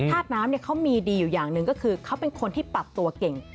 ธาตุน้ำเขามีดีอยู่อย่างหนึ่งก็คือเขาเป็นคนที่ปรับตัวเก่ง